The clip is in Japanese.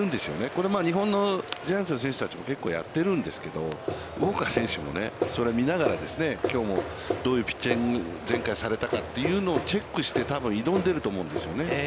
これ、日本のジャイアンツの選手たちも結構やってるんですけど、ウォーカー選手もそれを見ながらきょうもどういうピッチング、前回されたかというのをチェックして多分挑んでいると思うんですよね。